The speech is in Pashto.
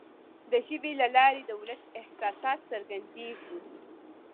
د ژبي له لارې د ولس احساسات څرګندیږي.